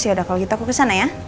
yaudah kalau gitu aku kesana ya